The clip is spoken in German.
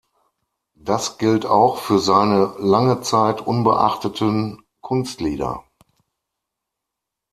Das gilt auch für seine lange Zeit unbeachteten Kunstlieder.